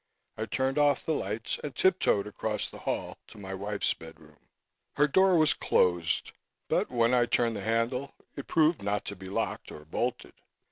I turned off the lights and tip toed across the hall to my wife's bedroom. Her door was closed but, when I turned the handle, it proved not to be locked or bolted.